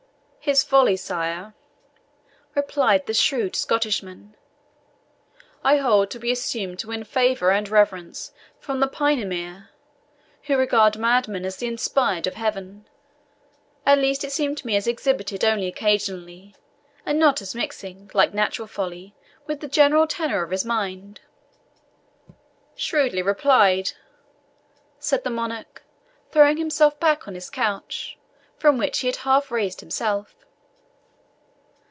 "His folly, sire," replied the shrewd Scottish man, "I hold to be assumed to win favour and reverence from the Paynimrie, who regard madmen as the inspired of Heaven at least it seemed to me as exhibited only occasionally, and not as mixing, like natural folly, with the general tenor of his mind." "Shrewdly replied," said the monarch, throwing himself back on his couch, from which he had half raised himself.